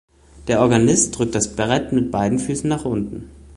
Der Organist drückt das Brett mit beiden Füßen nach unten.